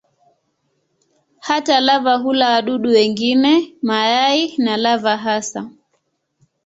Hata lava hula wadudu wengine, mayai na lava hasa.